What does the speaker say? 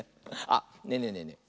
あっねえねえねえねえ